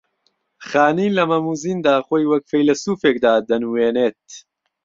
خانی لە مەم و زیندا خۆی وەک فەیلەسووفێکدا دەنووێنێت